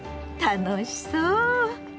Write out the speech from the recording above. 楽しそう。